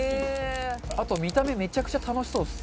あと、見た目めちゃくちゃ楽しそうです。